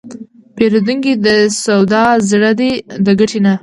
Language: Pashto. پیرودونکی د سودا زړه دی، د ګټې نه.